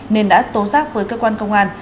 nên đã tố giác với cơ quan công an